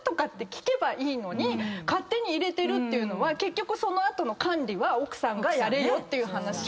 聞けばいいのに勝手に入れてるっていうのは結局その後の管理は奥さんがやれよっていう話。